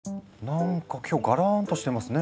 なんか今日がらんとしてますね。